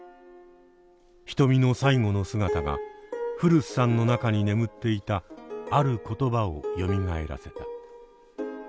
ひとみの最期の姿が古巣さんの中に眠っていたある言葉をよみがえらせた。